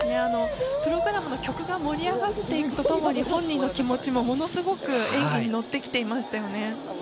プログラムの曲が盛り上がっていくとともに本人の気持ちもものすごく演技にのってきていました。